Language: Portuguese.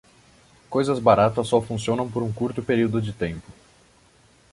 Coisas baratas só funcionam por um curto período de tempo.